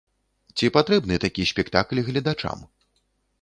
Ці патрэбны такі спектакль гледачам?